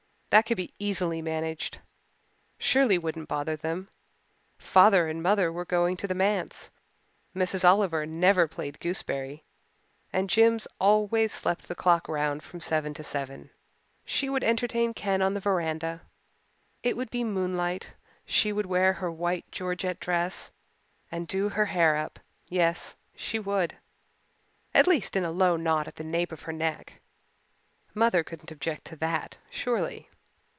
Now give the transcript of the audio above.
That could be easily managed. Shirley wouldn't bother them, father and mother were going to the Manse, Miss Oliver never played gooseberry, and Jims always slept the clock round from seven to seven. She would entertain Ken on the veranda it would be moonlight she would wear her white georgette dress and do her hair up yes, she would at least in a low knot at the nape of her neck. Mother couldn't object to that, surely.